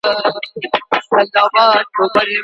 بيرته ئې رجوع ورته وکړه.